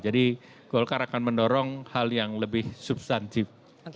jadi golkar akan mendorong hal yang lebih substansif